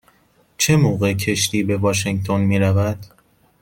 چه موقع کشتی به واشینگتن می رود؟